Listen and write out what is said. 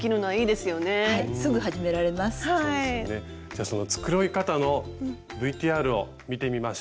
じゃあその繕い方のＶＴＲを見てみましょう！